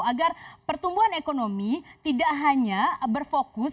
agar pertumbuhan ekonomi tidak hanya berfokus